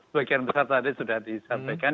sebagian besar tadi sudah disampaikan